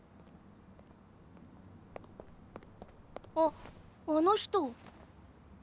あっあの人。